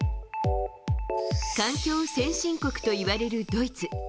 環境先進国といわれるドイツ。